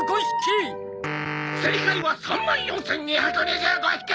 「正解は３万４２２５匹」